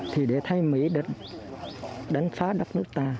thì để thấy mỹ đánh phá đất nước ta